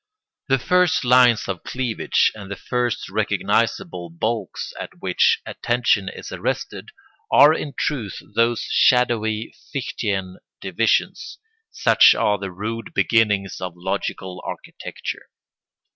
The first lines of cleavage and the first recognisable bulks at which attention is arrested are in truth those shadowy Fichtean divisions: such are the rude beginnings of logical architecture.